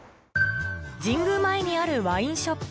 神宮前にあるワインショップ